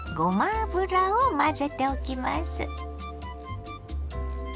油を混ぜておきます。